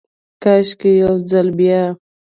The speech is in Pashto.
کاشکي ، یو ځلې بیا،